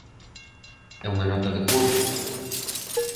E unha nota de cor.